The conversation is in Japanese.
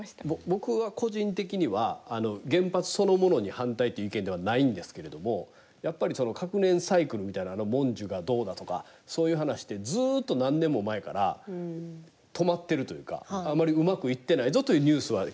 僕は個人的には原発そのものに反対っていう意見ではないんですけれどもやっぱりその核燃サイクルみたいなのもんじゅがどうだとかそういう話ってずっと何年も前から止まってるというかあんまりうまくいってないぞというニュースは聞いてますし。